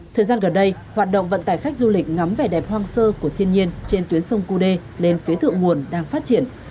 thời gian gần đây hoạt động vận tải khách du lịch ngắm vẻ đẹp hoang sơ của thiên nhiên trên tuyến sông cú đê lên phía thượng nguồn đang phát triển